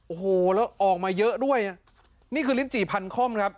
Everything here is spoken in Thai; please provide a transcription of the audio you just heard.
โอ้โหแล้วออกมาเยอะด้วยอ่ะนี่คือลิ้นจี่พันค่อมครับ